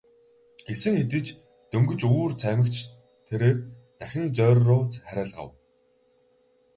Гэсэн хэдий ч дөнгөж үүр цаймагц тэрээр дахин зоорьруу харайлгав.